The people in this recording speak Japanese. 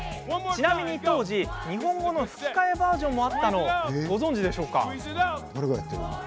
ちなみに、当時日本語の吹き替えバージョンもあったのをご存じでしょうか？